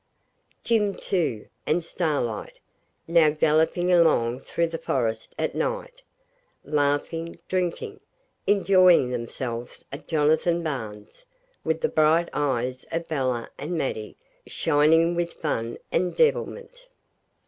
Jim too, and Starlight now galloping along through the forest at night laughing, drinking, enjoying themselves at Jonathan Barnes's, with the bright eyes of Bella and Maddie shining with fun and devilment.